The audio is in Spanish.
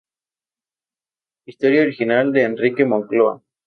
Historia original de Enrique Moncloa.